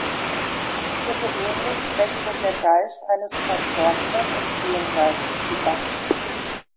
Für gewöhnlich wechselt der Geist eines Verstorbenen ins Jenseits über.